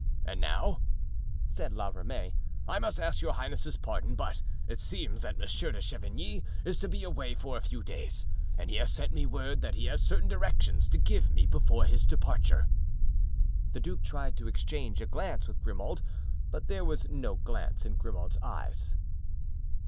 "And now," said La Ramee, "I must ask your highness's pardon, but it seems that Monsieur de Chavigny is to be away for a few days and he has sent me word that he has certain directions to give me before his departure." The duke tried to exchange a glance with Grimaud, but there was no glance in Grimaud's eyes.